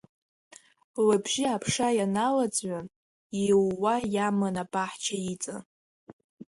Лыбжьы аԥша иаланаӡҩан, иууа иаман абаҳча иҵан.